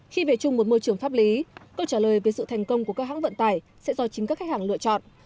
khi về chung một môi trường pháp lý câu trả lời về sự thành công của các hãng vận tải sẽ do chính các khách hàng lựa chọn